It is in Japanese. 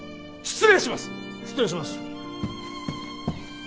失礼します。